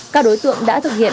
các đối tượng đã thực hiện